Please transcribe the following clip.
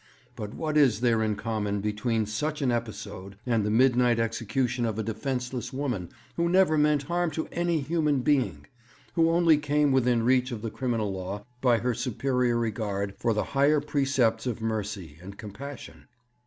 But what is there in common between such an episode and the midnight execution of a defenceless woman who never meant harm to any human being, who only came within reach of the criminal law by her superior regard for the higher precepts of mercy and compassion?